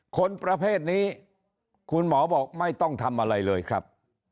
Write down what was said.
คนประเภทนี้คุณหมอบอกไม่ต้องทำอะไรเลยครับ